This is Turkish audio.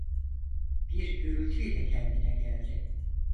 Bir gürültü ile kendine geldi.